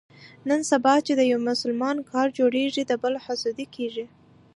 نن سبا چې د یو مسلمان کار جوړېږي، د بل حسدي کېږي.